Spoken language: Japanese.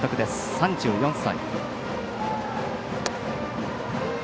３４歳。